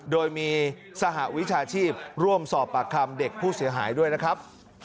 โดยมีสหวิชาชีพร่วมสอบปากคำเด็กผู้เสียหายด้วยนะครับ